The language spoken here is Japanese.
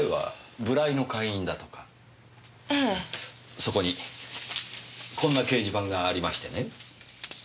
そこにこんな掲示板がありましてね。